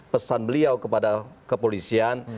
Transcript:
pesan beliau kepada kepolisian